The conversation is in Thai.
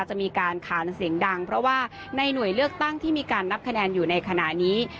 มีการขานเสียงดังเพราะว่าในหน่วยเลือกตั้งที่มีการนับคะแนนอยู่ในขณะนี้